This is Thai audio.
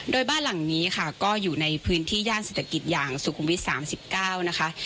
โดยบ้านหลังนี้ค่ะก็อยู่ในพื้นที่ย่านเศรษฐกิจอย่างสุขุมวิท๓๙นะคะ